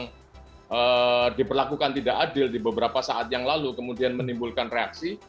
yang diperlakukan tidak adil di beberapa saat yang lalu kemudian menimbulkan reaksi